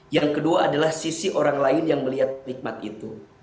yang kedua adalah sisi orang lain yang melihat nikmat itu